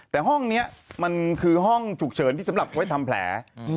แต่ห้องนี้มันคือห้องฉุกเฉินที่สำหรับไว้ทำแผล